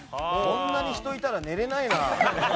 こんなに人いたら寝れないわ。